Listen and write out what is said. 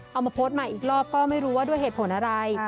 เอามาโพสต์ใหม่อีกรอบก็ไม่รู้ว่าด้วยเหตุผลอะไร